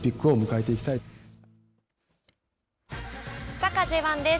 サッカーＪ１です。